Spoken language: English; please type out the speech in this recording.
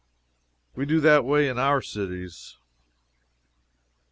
We do that way in our cities.